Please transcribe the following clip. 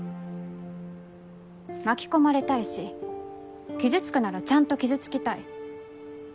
巻き込まれたいし傷つくならちゃんと傷つきたい。